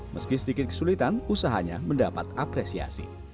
meski sedikit kesulitan usahanya mendapat apresiasi